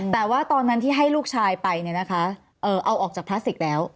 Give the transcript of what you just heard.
แต่ว่าตอนนั้นที่ให้ลูกชายไปเนี่ยนะคะเอาออกจากพลาสติกแล้ว